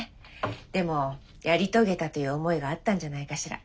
でもやり遂げたという思いがあったんじゃないかしら。